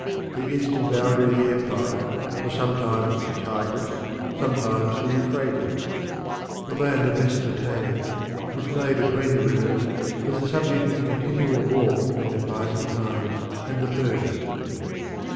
The eastern boundary of the empire was sometimes the Tigris, sometimes the Euphrates; the land of Mesopotamia, which lay between the rivers, was the subject of continual war between the Byzantines and the Persians.